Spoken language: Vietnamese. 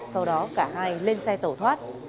sau đó cả hai lên xe tẩu thoát